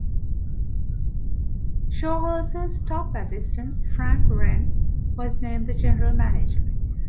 Schuerholz's top assistant Frank Wren was named the general manager.